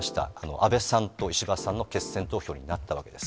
安倍さんと石破さんの決選投票になったわけです。